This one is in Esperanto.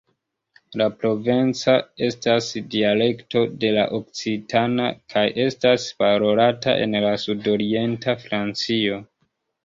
La provenca estas dialekto de la okcitana, kaj estas parolata en la sudorienta Francio.